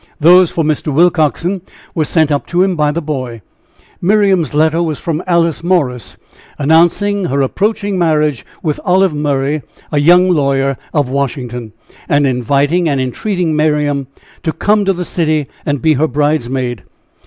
Those for Mr. Willcoxen were sent up to him by the boy. Miriam's letter was from Alice Morris, announcing her approaching marriage with Olive Murray, a young lawyer of Washington, and inviting and entreating Miriam to come to the city and be her bridesmaid.